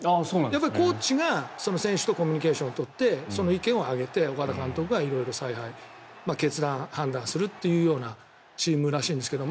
やっぱりコーチが選手とコミュニケーションを取ってその意見を上げて岡田監督が色々采配決断、判断するというようなチームらしいんですが。